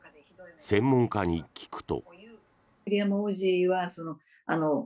専門家に聞くと。